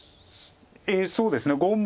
そうですね。